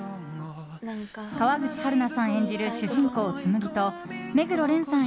川口春奈さん演じる主人公・紬と目黒蓮さん